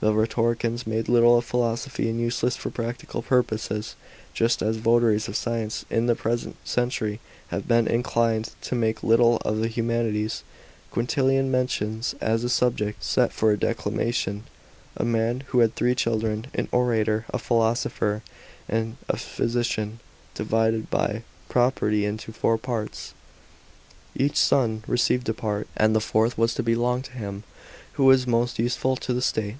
The rhetoricians made little of philosophy as useless for practical purposes, just as votaries of science in the present century have been inclined to make little of the " humanities." Quintilian mentions as a subject set for a declamation i " A man who had three children, an orator, a philosopher, and c, physician, divided hi? property into four parts ; each son received a part, and the fourth was to belong to him who was most useful to the state.